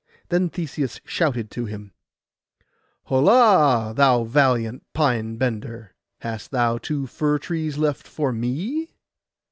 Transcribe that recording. Then Theseus shouted to him, 'Holla, thou valiant pine bender, hast thou two fir trees left for me?